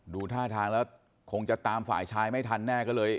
ดูท่าทางแล้วคงจะตามฝ่ายชายไม่ทันแน่ก็เลย